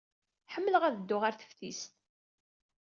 Ḥemmleɣ ad dduɣ ɣer teftist.